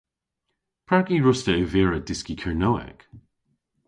Prag y hwruss'ta ervira dyski Kernewek?